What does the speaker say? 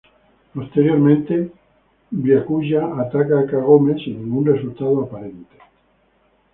Posteriormente, Byakuya ataca a Kagome sin ningún resultado aparente.